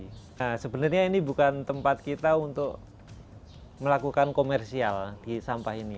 nah sebenarnya ini bukan tempat kita untuk melakukan komersial di sampah ini